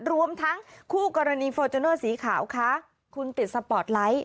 รวมทั้งคู่กรณีสีขาวค่ะคุณติดสปอร์ตไลท์